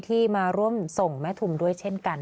ที่มาร่วมส่งแม่ทุมด้วยเช่นกัน